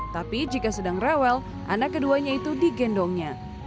tapi jika sedang rewel anak keduanya itu digendongnya